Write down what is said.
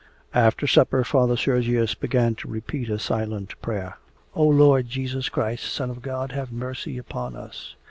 After supper Father Sergius began to repeat a silent prayer: 'O Lord Jesus Christ, Son of God, have mercy upon us!